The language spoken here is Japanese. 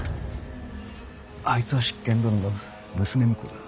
あいつは執権殿の娘婿だ。